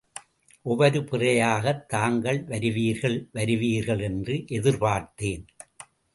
ஒவ்வொரு பிறையாகத் தாங்கள் வருவீர்கள் வருவீர்கள் என்று எதிர்பார்த்தேன்.